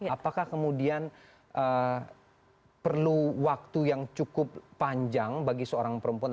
apakah kemudian perlu waktu yang cukup panjang bagi seorang perempuan